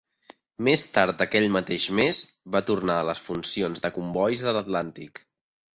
Més tard aquell mateix mes va tornar a les funcions de combois de l'Atlàntic.